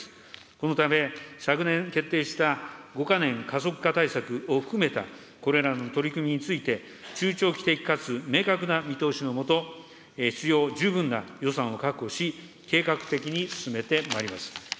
このため、昨年決定した５か年加速化対策を含めたこれらの取り組みについて、中長期的かつ明確な見通しのもと、必要十分な予算を確保し、計画的に進めてまいります。